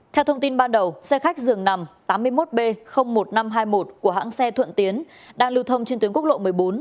theo thông tin ban đầu xe khách dường nằm tám mươi một b một nghìn năm trăm hai mươi một của hãng xe thuận tiến đang lưu thông trên tuyến quốc lộ một mươi bốn